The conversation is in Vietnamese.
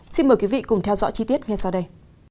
xin mời quý vị cùng theo dõi chi tiết ngay sau đây